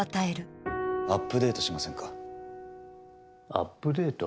アップデート？